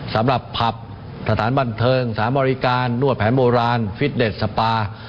สำหรับพับสถานสนุนสารมอลิการนวดแผนโบราณฟิตเนสสปา